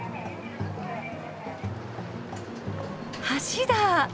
橋だ。